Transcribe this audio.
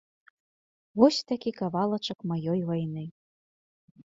Вось такі кавалачак маёй вайны.